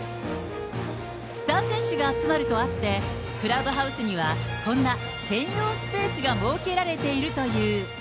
スター選手が集まるとあって、クラブハウスにはこんな専用スペースが設けられているという。